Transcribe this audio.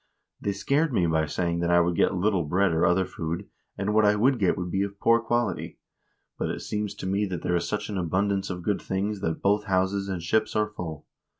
They scared me by saying that I would get little bread or other food, and what I would get would be of poor quality ; but it seems to me that there is such an abundance of good things that both houses and ships are full.